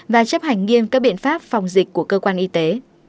và chấp hành nghiêm các biện pháp phòng dịch của cơ quan y tế